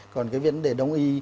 còn cái vấn đề đồng ý